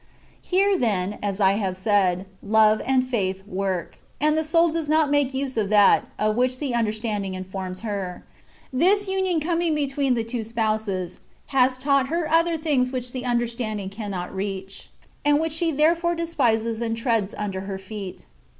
Here, then (as I have said), love and faith work, and the soul does not make use of that, of which the understanding informs her. This union coming between the two spouses, has taught her other things which the understandingcannot reach, and which she therefore despises and treads under her feet.